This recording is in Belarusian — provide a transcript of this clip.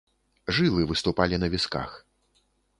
Жылы выступалі на вісках.